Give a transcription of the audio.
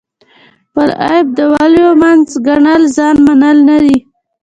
خپل عیب د ولیو منځ ګڼل ځان منل نه دي.